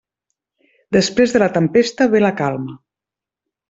Després de la tempesta ve la calma.